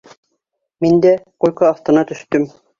Мин дә койка аҫтына төштөм.